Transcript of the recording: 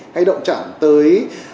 hay động trảm tới